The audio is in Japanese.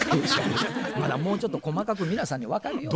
まだもうちょっと細かく皆さんに分かるように。